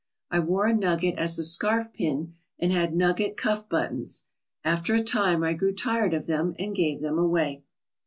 I wore a nugget as a scarf pin and had nugget cuff buttons. After a time I grew tired of them and gave them away.